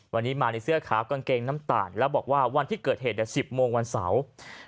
วันนี้มาในเสื้อขาวกางเกงน้ำตาลแล้วบอกว่าวันที่เกิดเหตุ๑๐โมงวันเสาร์